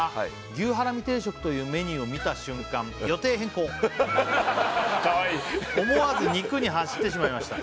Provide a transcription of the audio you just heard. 「牛ハラミ定食というメニューを見た瞬間予定変更」ハハハハかわいい「思わず肉に走ってしまいました」